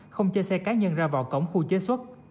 không cho xe cá nhân ra vào cổng khu chế xuất